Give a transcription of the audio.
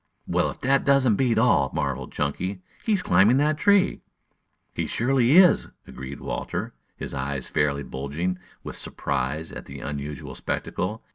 "Well, if that doesn't beat all!" marveled Chunky. "He is climbing that tree!" "He surely is," agreed Walter, his eyes fairly bulging with surprise at the unusual spectacle.